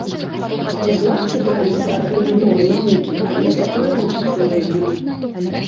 Хоць лапці драліся ад гэтай новай навукі, але затое рукі цэлыя былі.